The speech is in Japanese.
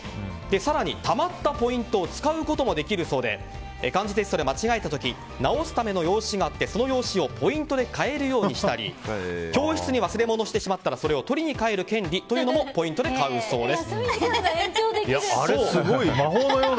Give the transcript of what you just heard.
更に、たまったポイントを使うこともできるそうで漢字テストで間違えた時直す用の用紙があってその用紙をポイントで買えるようにしたり教室に忘れ物をしてしまったらそれを取りに帰る権利というのもポイントで買うそうです。